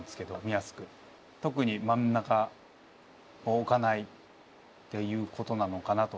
特に真ん中を置かないっていうことなのかなと。